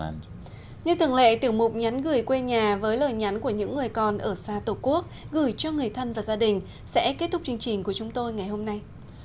như thường lệ tiểu mục nhắn gửi quê nhà với lời nhắn của những người con ở xa tổ quốc gửi cho người thân và gia đình sẽ kết thúc chương trình của chúng tôi ngày hôm nay